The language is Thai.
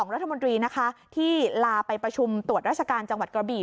รัฐมนตรีนะคะที่ลาไปประชุมตรวจราชการจังหวัดกระบี่